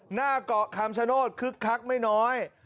หน้าเกาะคำชโนธคึกคักไม่น้อย